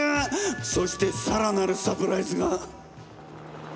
そして更なるサプライズが！